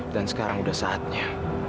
dan sekarang udah saatnya